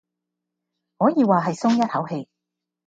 可以話係鬆一口氣